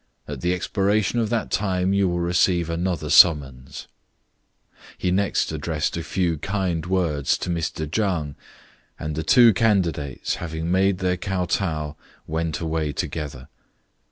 At the expiration of that time you will receive another summons." He next addressed a fe\v kind words to Mr Chang; and the two candidates, having made their kotow, went away together.